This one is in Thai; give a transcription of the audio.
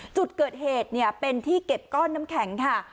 จุดเกิดเหตุเป็นที่เก็บก้อนน้ำแข็งค่ะ